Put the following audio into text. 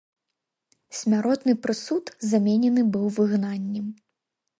Смяротны прысуд заменены быў выгнаннем.